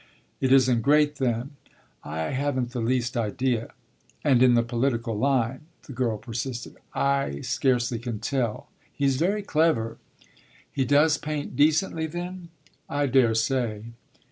"It isn't great, then?" "I haven't the least idea." "And in the political line?" the girl persisted. "I scarcely can tell. He's very clever." "He does paint decently, then?" "I daresay."